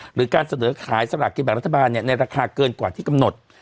หรือการเสนอขายสลากกินแบบรัฐบาลในราคาเกินกว่าที่กำหนด